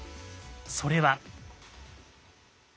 それは。